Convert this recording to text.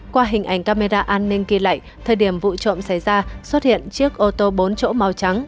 qua hình ảnh camera an ninh ghi lại thời điểm vụ trộm xảy ra xuất hiện chiếc ô tô bốn chỗ màu trắng